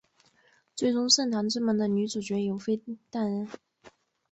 最终圣堂之门的女主角由飞担任。